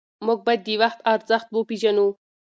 موږ باید د وخت ارزښت وپېژنو.